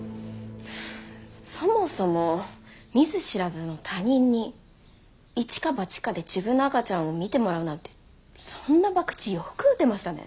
そもそも見ず知らずの他人にイチかバチかで自分の赤ちゃんを見てもらうなんてそんなばくちよく打てましたね。